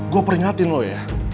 gue peringatin lo ya